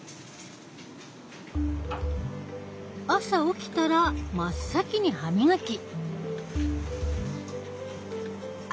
朝起きたら真っ先に歯みがき。